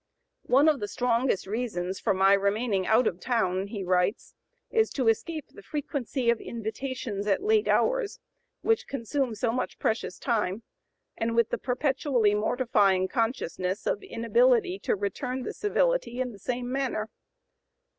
"One of the strongest reasons for my remaining out of town," he writes, "is to escape the frequency of invitations at late hours, which consume so much precious time, and with the perpetually mortifying consciousness of inability to return the civility in the same manner."